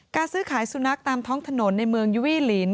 ซื้อขายสุนัขตามท้องถนนในเมืองยูวี่ลิน